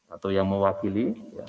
atau yang mewakili